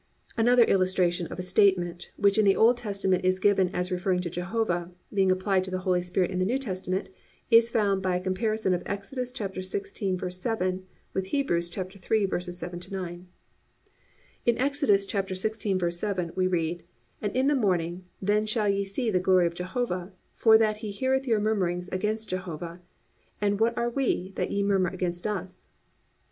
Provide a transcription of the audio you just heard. (2) Another illustration of a statement, which in the Old Testament is given as referring to Jehovah, being applied to the Holy Spirit in the New Testament, is found by a comparison of Exodus 16:7 with Hebrews 3:7 9. In Exodus 16:7 we read: +"And in the morning, then shall ye see the glory of Jehovah; for that he heareth your murmurings against Jehovah: and what are we, that ye murmur against us?"